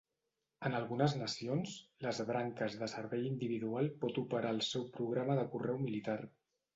En algunes nacions, les branques de servei individual pot operar el seu programa de correu militar.